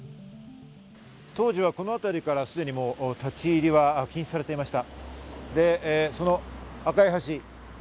当時は、この辺りからすでに立ち入りは禁止されていました。